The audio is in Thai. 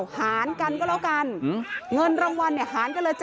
หารกันก็แล้วกันเงินรางวัลหารกันเลย